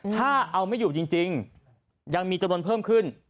ถ้าเอาไม่อยู่จริงยังมีจำนวนเพิ่มขึ้น